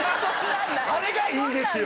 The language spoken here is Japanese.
あれがいいんですよ。